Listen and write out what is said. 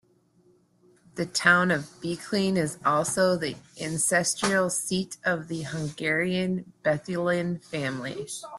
The town of Beclean is also the ancestral seat of the Hungarian Bethlen family.